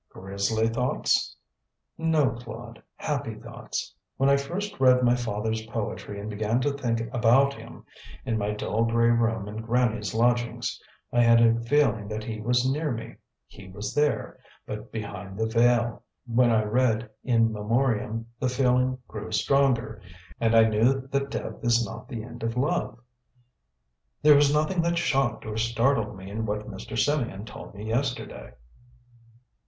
"Grisly thoughts?" "No, Claude; happy thoughts. When I first read my father's poetry and began to think about him in my dull grey room in Grannie's lodgings I had a feeling that he was near me. He was there; but behind the veil. When I read 'In Memoriam' the feeling grew stronger, and I knew that death is not the end of love. There was nothing that shocked or startled me in what Mr. Symeon told me yesterday."